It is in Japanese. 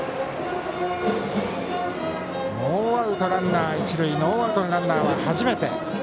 ノーアウトランナー、一塁ノーアウトのランナーは初めて。